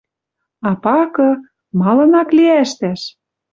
А пакы... Малын ак ли ӓштӓш?